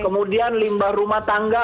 kemudian limbah rumah tangga